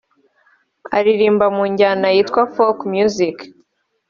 Aririmba mu njyana yitwa ‘folk music’